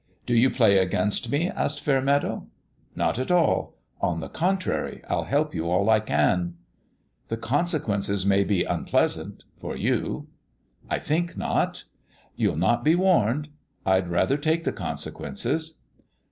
" Do you play against me ?" asked Fair meadow. " Not at all ; on the contrary, I'll help you all I can," PALE PETER'S GAME 69 "The consequences may be unpleasant for you." " I think not." " You'll not be warned ?"" I'd rather take the consequences."